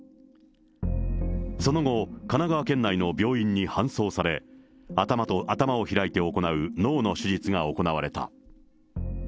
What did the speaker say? その後、神奈川県内の病院に搬送され、頭と頭を開いて行う脳の手術が行われた。